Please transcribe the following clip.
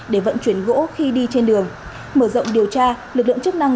để vận chuyển gỗ khi đi trên đường mở rộng điều tra lực lượng chức năng